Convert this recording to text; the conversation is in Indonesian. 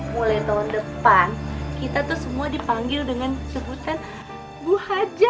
mulai tahun depan kita tuh semua dipanggil dengan sebutan bu haja